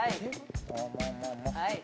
はい